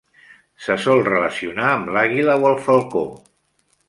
Se sol relacionar amb l'àguila o el falcó.